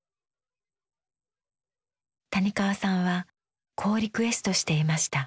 谷川さんはこうリクエストしていました。